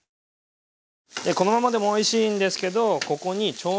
このままでもおいしいんですけどここに調味料。